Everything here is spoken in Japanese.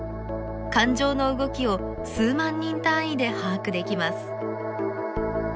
感情の動きを数万人単位で把握できます。